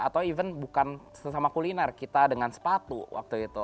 atau even bukan sesama kuliner kita dengan sepatu waktu itu